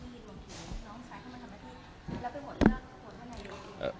และไปหวนการเข้ามาทำหน้าที่